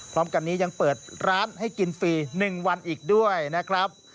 พร้อมกันนี้ยังเปิดร้านให้กินฟรี๑วันอีกด้วยนะครับ